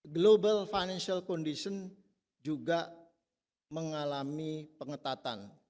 global financial condition juga mengalami pengetatan